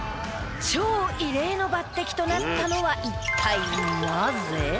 超異例の抜擢となったのは一体なぜ？